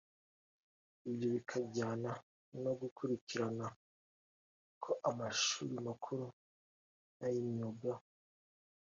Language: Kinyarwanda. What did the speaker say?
Ibyo bikajyana no gukurikirana ko amashuri makuru n’ay’imyuga